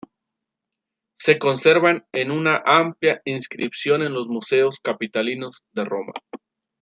Se conservan en una amplia inscripción en los Museos capitolinos de Roma.